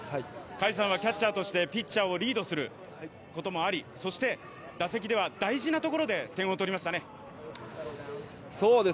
甲斐さんはキャッチャーとしてピッチャーをリードすることもあり、打席では大事なところで点を取りましたね。